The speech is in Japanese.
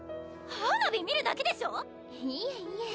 花火見るだけでしょいえいえ